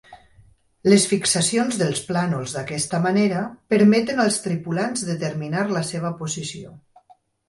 Les fixacions dels plànols d'aquesta manera permeten als tripulants determinar la seva posició.